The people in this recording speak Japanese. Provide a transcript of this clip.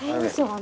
あ